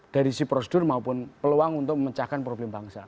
dari si prosedur maupun peluang untuk memecahkan problem bangsa